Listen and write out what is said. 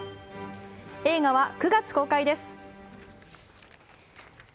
映画は９月公開です。